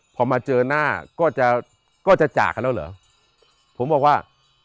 พอมาเจอหน้าก็จะก็จะจากกันแล้วเหรอผมบอกว่า